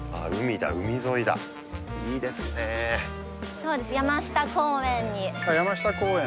そうです山下公園に山下公園